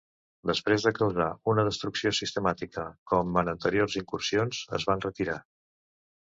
Després de causar una destrucció sistemàtica com en anteriors incursions, es van retirar.